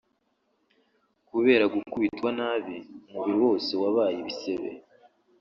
kubera gukubitwa nabi umubiri wose wabaye ibisebe